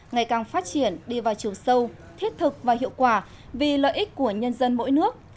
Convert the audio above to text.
ngày càng phát triển đi vào chiều sâu thiết thực và hiệu quả vì lợi ích của nhân dân mỗi nước